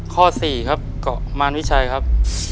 ข้อ๔ครับเกาะมารวิชัยครับ